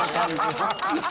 ハハハハ。